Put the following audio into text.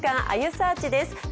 あゆサーチ」です。